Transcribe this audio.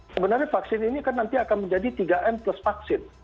sebenarnya vaksin ini kan nanti akan menjadi tiga m plus vaksin